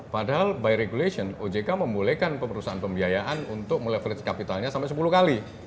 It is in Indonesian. padahal by regulation ojk membolehkan perusahaan pembiayaan untuk meleverage capitalnya sampai sepuluh kali